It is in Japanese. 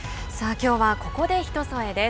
きょうはここで「ひとそえ」です。